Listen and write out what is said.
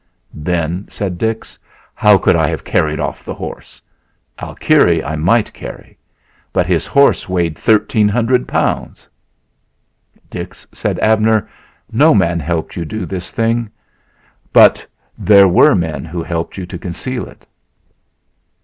"Then," said Dix, "how could I have carried off the horse? Alkire I might carry; but his horse weighed thirteen hundred pounds!" "Dix," said Abner, "no man helped you do this thing; but there were men who helped you to conceal it."